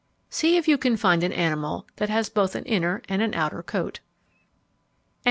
_ See if you can find an animal that has both an inner and an outer coat. XXXIII.